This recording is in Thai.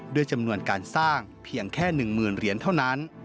ด้วยจำนวนการสร้างเพียงแค่๑๐๐๐เหรียญเท่านั้น